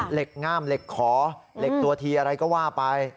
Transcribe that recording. ง่ามเหล็กขอเหล็กตัวทีอะไรก็ว่าไป